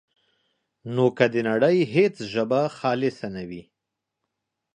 نو که د نړۍ هېڅ ژبه خالصه نه وي،